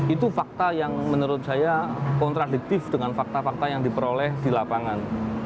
itu fakta yang menurut saya kontradiktif dengan fakta fakta yang diperoleh di lapangan